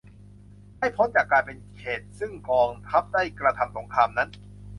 ให้พ้นจากการเป็นเขตต์ซึ่งกองทัพได้กระทำสงครามนั้น